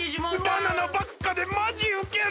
バナナばっかでまじウケる！